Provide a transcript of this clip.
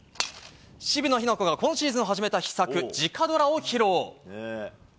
渋野日向子が今シーズン始めた秘策、直ドラを披露。